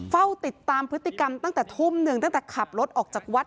เฝ้าติดตามพฤติกรรมตั้งแต่ทุ่มหนึ่งตั้งแต่ขับรถออกจากวัด